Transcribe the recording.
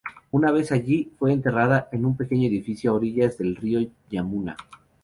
Una vez allí, fue enterrada en un pequeño edificio a orillas del río Yamuna.